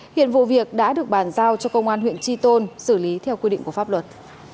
hiện vụ việc đã được bàn giao cho công an huyện tri tôn xử lý theo quy định của pháp luật